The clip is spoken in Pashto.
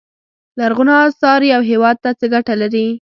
لرغونو اثار یو هیواد ته څه ګټه لري.